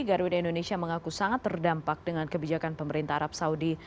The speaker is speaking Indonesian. garuda indonesia mengaku sangat terdampak dengan kebijakan pemerintah arab saudi